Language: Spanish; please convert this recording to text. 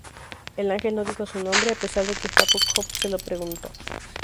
El ángel no dijo su nombre, a pesar de que Jacob se lo preguntó.